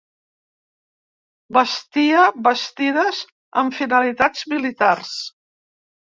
Bastia bastides amb finalitats militars.